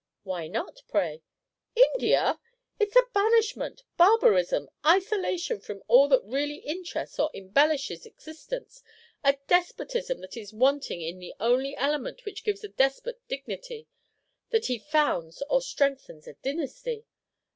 "Why not, pray?" "India!" It is banishment, barbarism, isolation from all that really interests or embellishes existence, a despotism that is wanting in the only element which gives a despot dignity, that he founds or strengthens a dynasty."